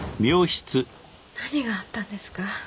何があったんですか？